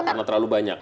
karena terlalu banyak